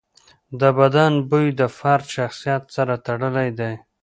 د بدن بوی د فرد شخصیت سره تړلی دی.